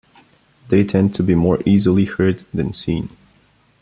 They tend to be more easily heard than seen.